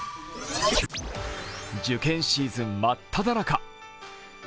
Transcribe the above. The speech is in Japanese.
受験シーズン真っただ中。